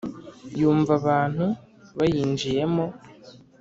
Yumva abantu bayinjiyemo,